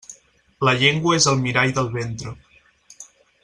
La llengua és el mirall del ventre.